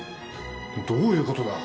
どういうことだ。